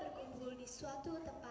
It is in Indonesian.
mereka berkembang di suatu tempat